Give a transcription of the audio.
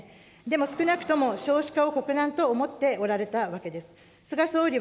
でも少なくとも少子化を国難と思っておられたわけです。